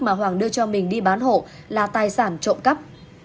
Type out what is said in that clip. mà hoàng đưa cho mình đi bán hộ là tài sản trộm cắp